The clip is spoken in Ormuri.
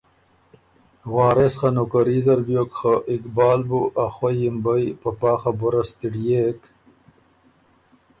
وارث خه نوکري زر بیوک خه اقبال بُو ا خوئ یِمبئ په پا خبُره ستِړيېک